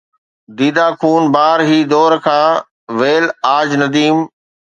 ديده خون بار هي دور کان، ويل آج نديم!